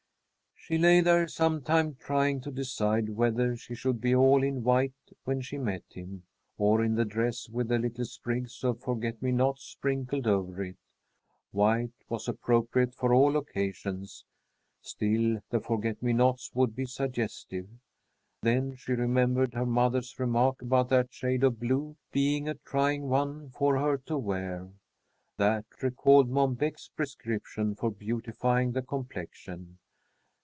She lay there some time trying to decide whether she should be all in white when she met him, or in the dress with the little sprigs of forget me nots sprinkled over it. White was appropriate for all occasions, still the forget me nots would be suggestive. Then she remembered her mother's remark about that shade of blue being a trying one for her to wear. That recalled Mom Beck's prescription for beautifying the complexion.